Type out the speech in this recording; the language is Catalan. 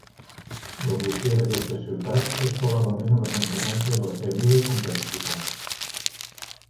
L'omissió d'aquestes ciutats és probablement una conseqüència de la seva mida i complexitat.